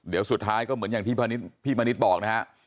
เดี๋ยวสุดท้ายก็เหมือนอย่างที่พี่มณิษฐ์บอกนะฮะ